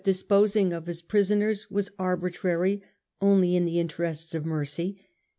disposing of Ms prisoners was arbitrary only in the interests of mercy.